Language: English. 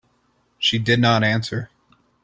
She did not answer.